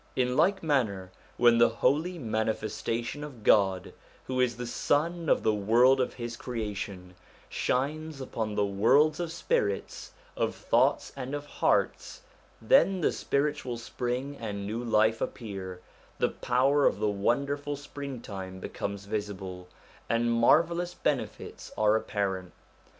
In like manner when the Holy Manifestation of God, who is the sun of the world of his creation, shines upon the worlds of spirits, of thoughts, and of hearts, then the spiritual spring and new life appear, the power of the wonderful springtime becomes visible, and mar vellous benefits are apparent.